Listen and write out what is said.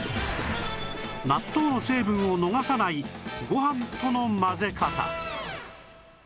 納豆の成分を逃さないご飯との混ぜ方